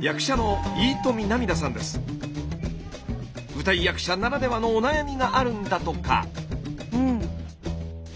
役者の舞台役者ならではのお悩みがあるんだとか。